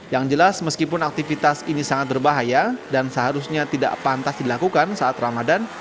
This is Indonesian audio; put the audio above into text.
yang jelas meskipun aktivitas ini sangat berbahaya dan seharusnya tidak pantas dilakukan saat ramadan